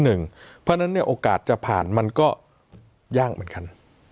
เพราะฉะนั้นเนี่ยโอกาสจะผ่านมันก็ยากเหมือนกัน